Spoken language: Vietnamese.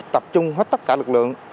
tập trung hết tất cả lực lượng